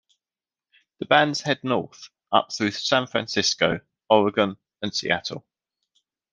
The bands head north up through San Francisco, Oregon, and Seattle.